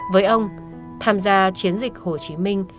với ông tham gia chiến dịch hồ chí minh